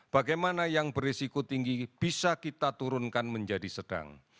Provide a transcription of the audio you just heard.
bagaimana yang berisiko tinggi bisa kita turunkan menjadi sedang